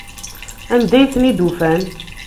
Anda ay ten-id-ufan?